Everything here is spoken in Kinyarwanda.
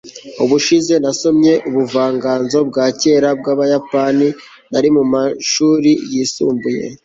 ubushize nasomye ubuvanganzo bwa kera bw'abayapani nari mu mashuri yisumbuye